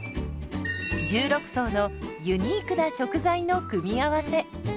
１６層のユニークな食材の組み合わせ。